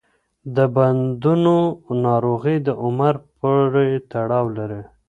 د بندونو ناروغي د عمر پورې تړاو لري.